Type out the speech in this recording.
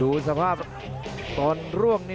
ดูสภาพตอนร่วงนี่